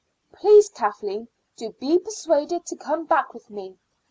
Please, Kathleen, do be persuaded and come back with me.